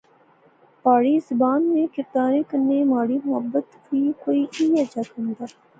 پہاڑی زبان نے کرداریں کنے مہاڑی محبت وی کوئی ایہے جیا کم دا